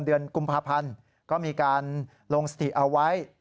เดือนกุมภาพันธ์ก็มีการลงสติเอาไว้